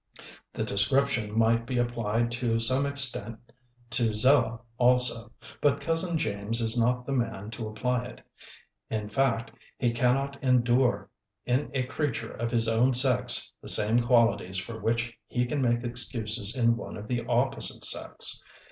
The description might be applied to some extent to Zella also, but Cousin James is not the man to apply it. In fact, he cannot endure in a creature of his own sex the same qualities for which he can make excuses in one of the opposite sex.